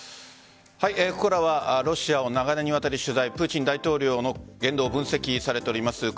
ここからはロシアを長年にわたり取材プーチン大統領の言動を分析されています